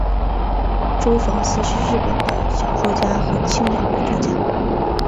周防司是日本的小说家和轻小说作家。